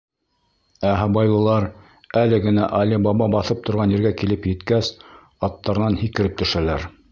Ә һыбайлылар, әле генә Али Баба баҫып торған ергә килеп еткәс, аттарынан һикереп төшәләр.